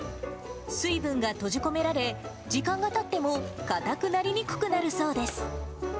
水分が閉じ込められ、時間がたっても硬くなりにくくなるそうです。